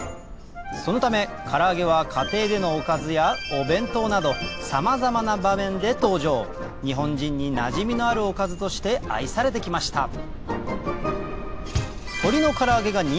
そのためから揚げは家庭でのおかずやお弁当などさまざまな場面で登場日本人になじみのあるおかずとして愛されて来ました